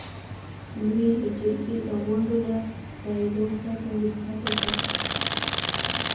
لويي د جرګې د غونډو له دایرولو پرته حکومت وکړ.